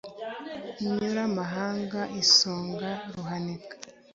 Inyuramahanga isonga Ruhanika